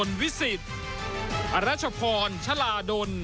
สวัสดีครับคุณผู้ชมค่ะ